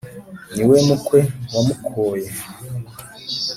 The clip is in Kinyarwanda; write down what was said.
Ni we mukwe wamukwoye